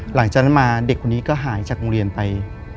หลังจากนั้นมาเด็กคนนี้ก็หายจากโรงเรียนไป